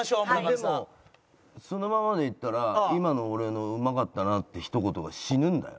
でもそのままでいったら今の俺の「うまかったな」ってひと言が死ぬんだよ？